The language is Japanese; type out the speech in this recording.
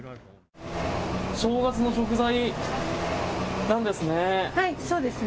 正月の食材なんですね。